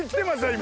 今。